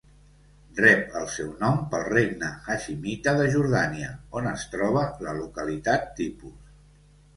Rep el seu nom pel regne Haiximita de Jordània, on es troba la localitat tipus.